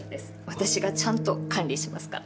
私がちゃんと管理しますから。